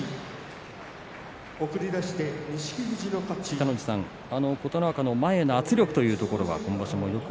北の富士さん、琴ノ若の、前への圧力というところは今場所もよく